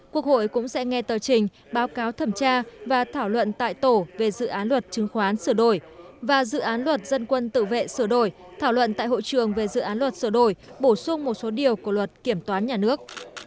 quốc hội cũng sẽ nghe tờ trình báo cáo thẩm tra và thảo luận tại tổ về dự án luật chứng khoán sửa đổi và dự án luật dân quân tự vệ sửa đổi thảo luận tại hội trường về dự án luật sửa đổi bổ sung một số điều của luật kiểm toán nhà nước